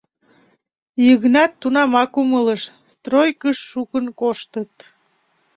Йыгнат тунамак умылыш: стройкыш шукын коштыт.